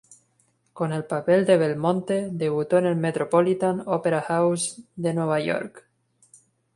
Con el papel de Belmonte debutó en el Metropolitan Opera House de Nueva York.